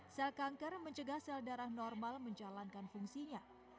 sel kanker mencegah sel darah normal menjalankan fungsinya